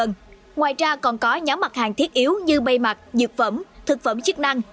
ngoài ra còn có nhóm mặt hàng thiết yếu như bây mặt dược phẩm thực phẩm chức năng